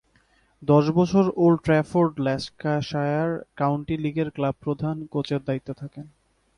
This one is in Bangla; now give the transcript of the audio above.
দশ বছর ওল্ড ট্রাফোর্ডে ল্যাঙ্কাশায়ার কাউন্টি ক্রিকেট ক্লাবের প্রধান কোচের দায়িত্বে থাকেন।